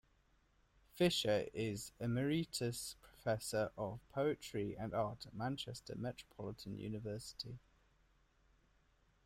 Fisher is Emeritus Professor of Poetry and Art at Manchester Metropolitan University.